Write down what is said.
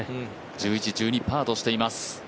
１１、１２、パーとしています。